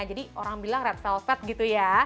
jadi orang bilang red velvet gitu ya